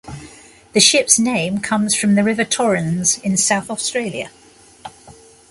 The ship's name comes from the River Torrens in South Australia.